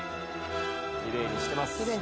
きれいにしてます